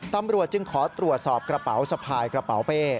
ตำรวจจึงขอตรวจสอบกระเป๋าสะพายกระเป๋าเป้